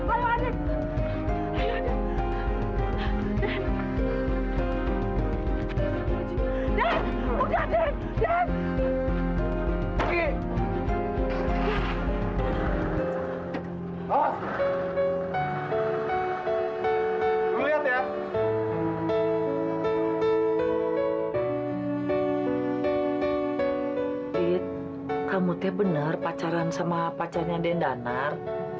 adit kamu benar pacaran sama pacarnya dendanar